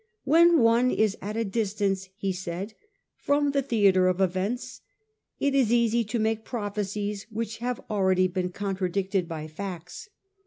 'When one is at a distance,' he said, 'from the theatre of events, it is easy to make prophecies which have already been contradicted by facts.